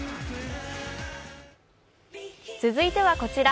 続いてはこちら。